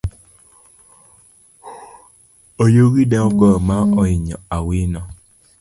Oyugi ne ogoyo ma oinyo awino.